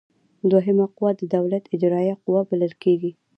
دوهمه قوه د دولت اجراییه قوه بلل کیږي.